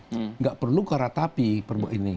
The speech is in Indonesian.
tidak perlu ke ratapi perbuatan ini